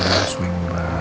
rasu yang berat